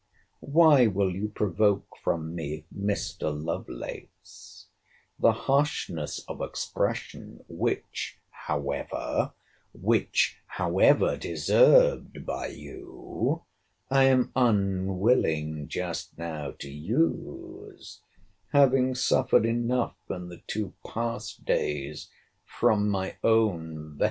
Why will you provoke from me, Mr. Lovelace, the harshness of expression, which, however, which, however deserved by you, I am unwilling just now to use, having suffered enough in the two past days from my own vehemence?